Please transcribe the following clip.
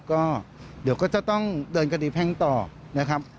ก็เดี๋ยวก็จะต้องเดินคดีแพ่งต่อนะครับ